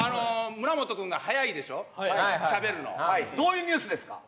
村本君がはやいでしょしゃべるのどういうニュースですか？